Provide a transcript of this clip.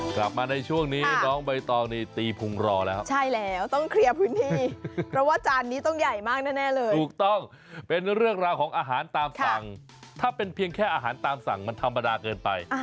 กลับมาในช่วงนี้น้องใบตองนี่ตีพุงรอแล้วใช่แล้วต้องเคลียร์พื้นที่เพราะว่าจานนี้ต้องใหญ่มากแน่เลยถูกต้องเป็นเรื่องราวของอาหารตามสั่งถ้าเป็นเพียงแค่อาหารตามสั่งมันธรรมดาเกินไป